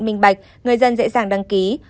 minh bạch người dân dễ dàng đăng ký